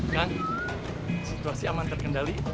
kang situasi aman terkendali